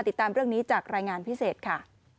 ติดตามเรื่องนี้จากรายงานพิเศษค่ะ